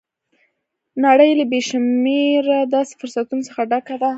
نړۍ له بې شمېره داسې فرصتونو څخه ډکه ده